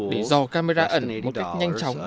để dò camera ẩn một cách nhanh chóng